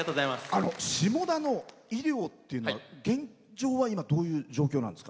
下田の医療っていうのは現状は今、どういう状況なんですか？